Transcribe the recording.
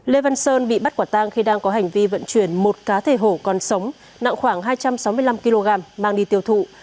lê văn sơn bị bắt quả tang khi đang có hành vi vận chuyển một cá thể hổ còn sống nặng khoảng hai trăm sáu mươi năm kg mang đi tiêu thụ